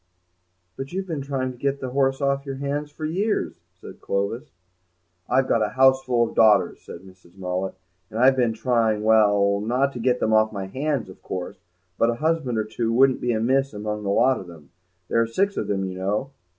"But you've been trying to get the horse off your hands for years," said Clovis. "I've got a houseful of daughters," said Mrs. Mullet, "and I've been trying—well, not to get them off my hands, of course, but a husband or two wouldn't be amiss among the lot of them; there are six of them, you know."